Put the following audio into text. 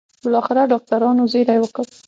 بالاخره ډاکټرانو زېری وکړ.